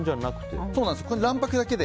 卵白だけで。